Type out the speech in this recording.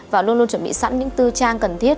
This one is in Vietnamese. và luôn luôn chuẩn bị sẵn những tư trang cần thiết